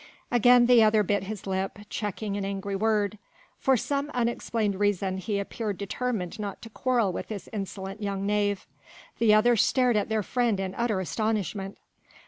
Again the other bit his lip, checking an angry word; for some unexplained reason he appeared determined not to quarrel with this insolent young knave. The others stared at their friend in utter astonishment.